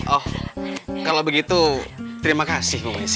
oh kalau begitu terima kasih bu miss